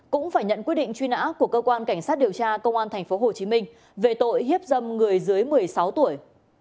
cũng phải nhận quyết định truy nã của cơ quan cảnh sát điều tra công an tp hcm về tội hiếp dâm người dưới một mươi sáu tuổi